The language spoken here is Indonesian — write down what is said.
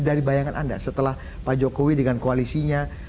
dari bayangan anda setelah pak jokowi dengan koalisinya